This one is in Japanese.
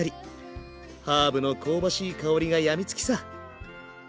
ハーブの香ばしい香りが病みつきさ